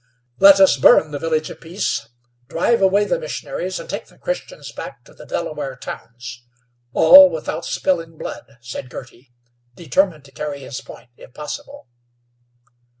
"Let us burn the Village of Peace, drive away the missionaries, and take the Christians back to the Delaware towns all without spilling blood," said Girty, determined to carry his point, if possible.